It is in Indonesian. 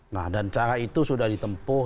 nah dan cara itu sudah ditempuh